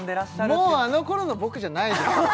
もうあのころの僕じゃないです